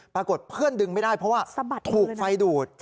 ปรากฏเพื่อนดึงไม่ได้เพราะว่าถูกไฟดูด